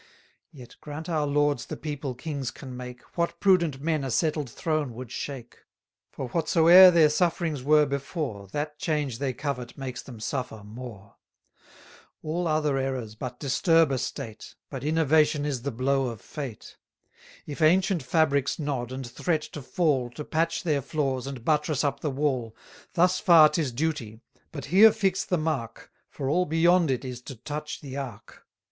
Yet, grant our lords the people kings can make, What prudent men a settled throne would shake? For whatsoe'er their sufferings were before, That change they covet makes them suffer more. All other errors but disturb a state; But innovation is the blow of fate. 800 If ancient fabrics nod, and threat to fall, To patch their flaws, and buttress up the wall, Thus far 'tis duty: but here fix the mark; For all beyond it is to touch the ark.